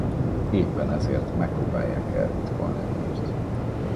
Éppen ezért megpróbálják eltitkolni a hírt.